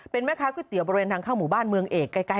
เป็นแม่ค้าก๋วยเตี๋ยวบริเวณทางเข้าหมู่บ้านเมืองเอกใกล้